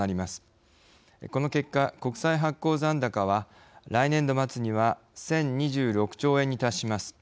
この結果国債発行残高は来年度末には１，０２６兆円に達します。